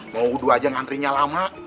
mau wudhu aja ngantrinya lama